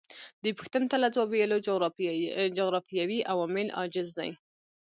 دې پوښتنې ته له ځواب ویلو جغرافیوي عوامل عاجز دي.